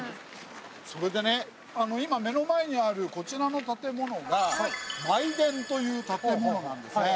それでね今目の前にあるこちらの建物が舞殿という建物なんですね。